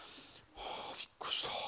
びっくりした。